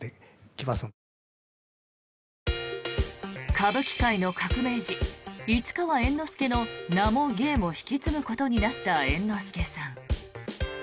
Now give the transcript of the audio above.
歌舞伎界の革命児市川猿之助の名も芸も引き継ぐことになった猿之助さん。